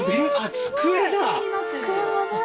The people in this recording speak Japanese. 机だ！